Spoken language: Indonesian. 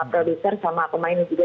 produser sama pemain juga